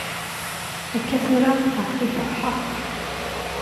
Akka tura aql-i feṛḥeɣ.